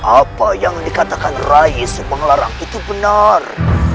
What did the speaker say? apa yang dikatakan raih subanglarang itu benar